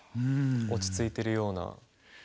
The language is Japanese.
落ち着いてるような。